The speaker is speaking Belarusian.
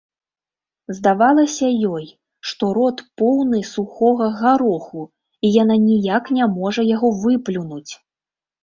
Здавалася ёй, што рот поўны сухога гароху, і яна ніяк не можа яго выплюнуць.